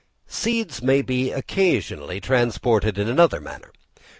Seeds may be occasionally transported in another manner.